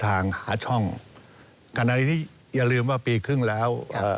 ทางหาช่องกรณีนี้อย่าลืมว่าปีครึ่งแล้ว